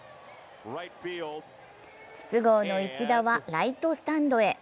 筒香の一打はライトスタンドへ。